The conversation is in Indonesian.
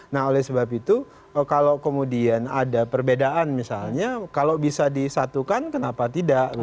nah oleh sebab itu kalau kemudian ada perbedaan misalnya kalau bisa disatukan kenapa tidak